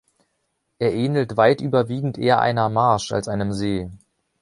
Er ähnelt weit überwiegend eher einer Marsch als einem See.